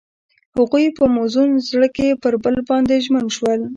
هغوی په موزون زړه کې پر بل باندې ژمن شول.